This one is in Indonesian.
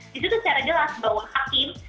di situ secara jelas bahwa hakim